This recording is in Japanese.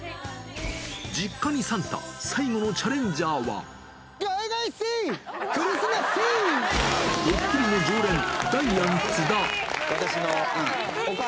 実家にサンタ、最後のチャレンジゴイゴイスー！